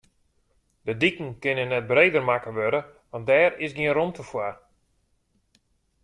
De diken kinne net breder makke wurde, want dêr is gjin romte foar.